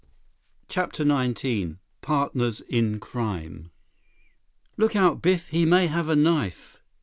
CHAPTER XIX Partners in Crime "Look out, Biff! He may have a knife!"